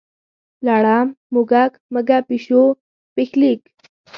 لړم، موږک، مږه، پیشو، پیښلیک.